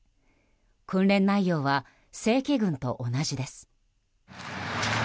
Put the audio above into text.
訓練内容は正規軍と同じです。